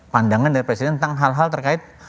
pandangan dari presiden tentang hal hal terkait